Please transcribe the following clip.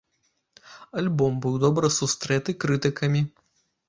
Альбом быў добра сустрэты крытыкамі.